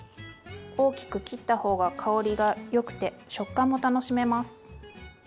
大きく切った方が香りがよくて食感も楽しめます。